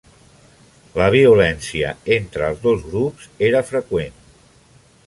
La violència entre els dos grups era freqüent.